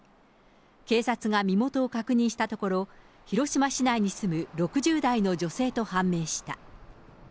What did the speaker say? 警察が身元を確認したところ、広島市内に住む６０代の女性と判明した。